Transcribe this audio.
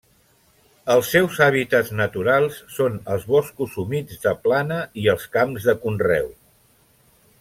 Els seus hàbitats naturals són els boscos humits de plana i els camps de conreu.